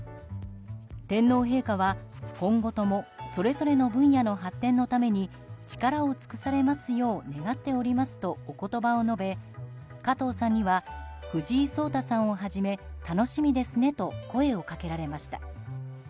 天皇陛下は、今後ともそれぞれの分野の発展のために力を尽くされますよう願っておりますとお言葉を述べ加藤さんには藤井聡太をはじめ楽しみですねと声をかけられました。